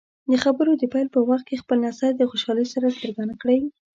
د خبرو د پیل په وخت کې خپل نظر د خوشحالۍ سره څرګند کړئ.